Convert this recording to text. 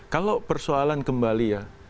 kalau persoalan kembali ya